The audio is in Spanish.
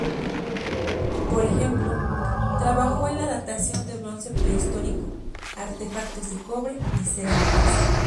Por ejemplo, trabajó en la datación de bronce prehistórico, artefactos de cobre y cerámicas.